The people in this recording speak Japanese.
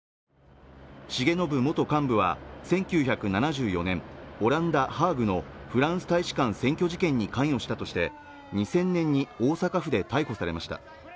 重信元幹部は１９７４年オランダ・ハーグのフランス大使館占拠事件に関与したとして２０００年に大阪府で逮捕されました